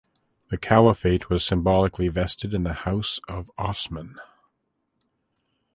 The caliphate was symbolically vested in the House of Osman.